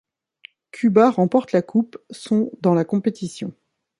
Cuba remporte la Coupe, son dans la compétition.